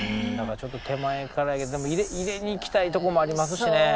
だからちょっと手前からでも入れにいきたいとこもありますしね。